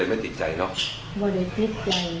ไม่ติดใจครับ